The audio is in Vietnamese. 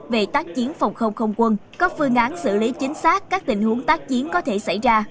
về tác chiến phòng không không quân có phương án xử lý chính xác các tình huống tác chiến có thể xảy ra